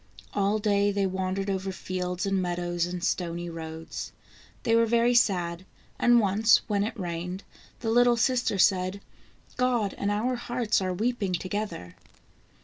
All day they wandered over fields and meadows and stony roads. They were very sad, and once, when it rained, the little sister said :" God and our hearts are weeping together."